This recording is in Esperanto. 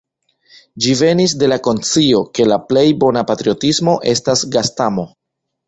Ĝi venis de la konscio, ke la plej bona patriotismo estas gastamo!